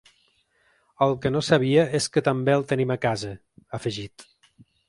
El que no sabia és que també el tenim a casa…, ha afegit.